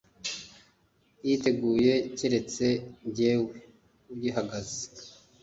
yiteguye keretse jyewe ugihagaze